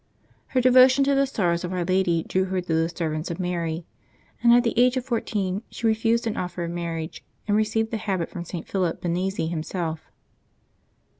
Her devotion to the sorrows of Our Lady drew her to the Servants of Mary ; and, at the age of fourteen, she refused an offer of marriage, and re ceived the habit from St. Philip Benizi himself.